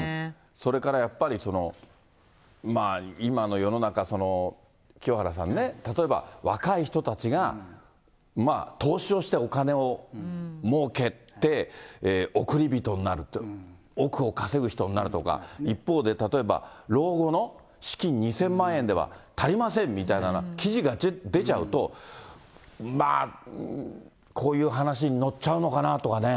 それからやっぱり、今の世の中、清原さんね、例えば若い人たちが投資をしてお金をもうけて、おくりびとになるって、億を稼ぐ人になるとか、一方で、例えば老後の資金２０００万円では足りませんみたいな記事が出ちゃうと、まあ、こういう話に乗っちゃうのかなとはね。